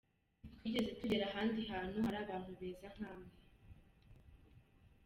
Ntitwigeze tugera ahandi hantu hari abantu beza nkamwe.